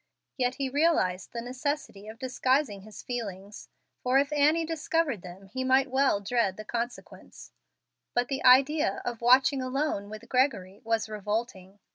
Yet he realized the necessity of disguising his feelings, for if Annie discovered them he might well dread the consequence. But the idea of watching alone with Gregory was revolting.